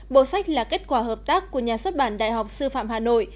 bộ sách là kết quả hợp tác của nhà xuất bản đại học sư phạm hà nội